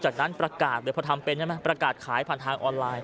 หรือพอทำเป็นใช่ไหมประกาศขายผ่านทางออนไลน์